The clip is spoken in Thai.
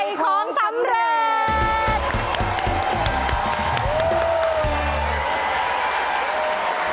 มีของสำเร็จ